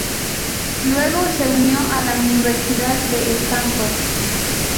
Luego, se unió a la Universidad de Stanford.